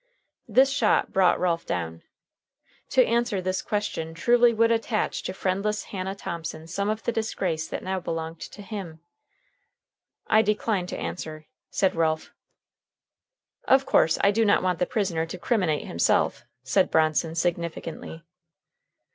This shot brought Ralph down. To answer this question truly would attach to friendless Hannah Thomson some of the disgrace that now belonged to him. "I decline to answer," said Ralph. "Of course, I do not want the prisoner to criminate himself," said Bronson significantly.